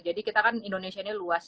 jadi kita kan indonesia ini luas